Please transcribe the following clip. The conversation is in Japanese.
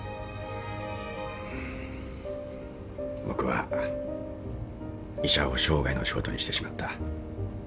僕は医者を生涯の仕事にしてしまった。